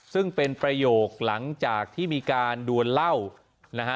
ซึ่งเป็นประโยคหลังจากที่มีการดวนเหล้านะฮะ